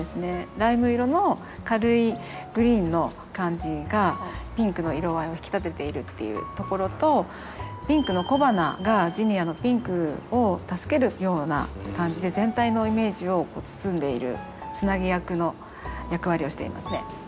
ライム色の軽いグリーンの感じがピンクの色合いを引き立てているっていうところとピンクの小花がジニアのピンクを助けるような感じで全体のイメージを包んでいるつなぎ役の役割をしていますね。